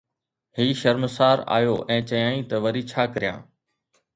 هي شرمسار آيو ۽ چيائين ته وري ڇا ڪريان؟